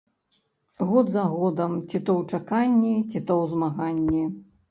Год за годам ці то ў чаканні, ці то ў змаганні.